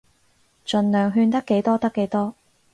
儘量勸得幾多得幾多